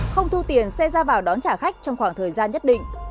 không thu tiền xe ra vào đón trả khách trong khoảng thời gian nhất định